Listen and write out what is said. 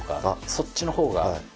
そっちの方が。